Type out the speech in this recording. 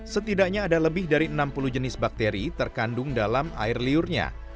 setidaknya ada lebih dari enam puluh jenis bakteri terkandung dalam air liurnya